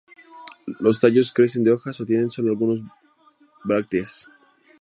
Los tallos carecen de hojas o tienen solo algunas brácteas.